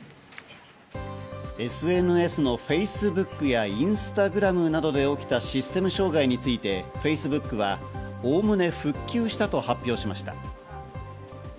ＳＮＳのＦａｃｅｂｏｏｋやＩｎｓｔａｇｒａｍなどで起きたシステム障害について、Ｆａｃｅｂｏｏｋはおおむね復旧したと発表しました。